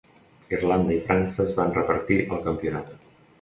Irlanda i França es van repartir el campionat.